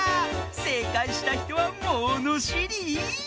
せいかいしたひとはものしり！